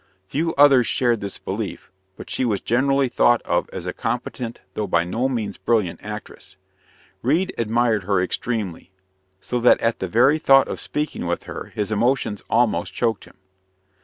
Few others shared this belief; but she was generally thought of as a competent, though by no means brilliant, actress. Reade admired her extremely, so that at the very thought of speaking with her his emotions almost choked him.